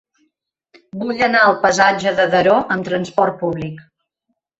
Vull anar al passatge de Daró amb trasport públic.